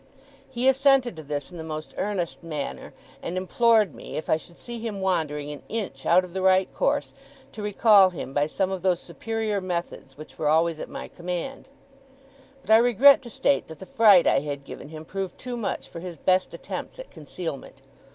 He assented to this in the most earnest manner; and implored me, if I should see him wandering an inch out of the right course, to recall him by some of those superior methods which were always at my command. But I regret to state that the fright I had given him proved too much for his best attempts at concealment.